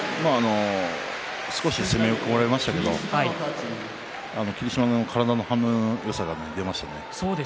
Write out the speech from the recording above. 少し攻め遅れましたけど霧島の体の反応のよさが出ましたね。